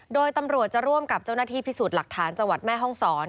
โดยตำรวจจะร่วมกับเจ้าหน้าที่พิสูจน์หลักฐานจังหวัดแม่ห้องศร